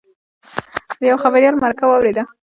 د یوه خبریال مرکه واورېده.